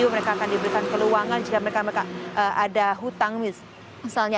mereka akan diberikan peluangan jika mereka ada hutang misalnya